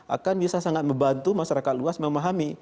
akan bisa sangat membantu masyarakat luas memahami